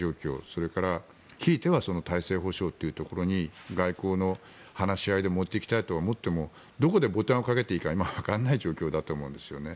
それからひいては体制保証というところに外交の話し合いで持っていきたいと思ってもどこでボタンをかけていいか今わからない状況だと思うんですね。